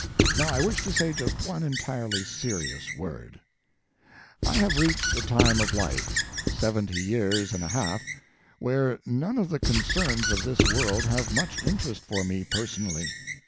Now I wish to say just one entirely serious word: I have reached a time of life, seventy years and a half, where none of the concerns of this world have much interest for me personally.